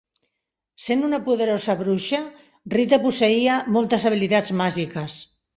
Sent una poderosa bruixa, Rita posseïa moltes habilitats màgiques.